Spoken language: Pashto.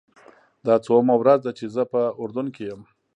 دا څوومه ورځ ده چې زه په اردن کې یم.